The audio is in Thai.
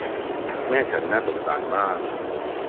แม่ฉันน่าสงสารมาก